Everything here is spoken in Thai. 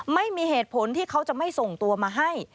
ไม่มีเหตุผลที่เขาจะไม่ส่งตัวมาให้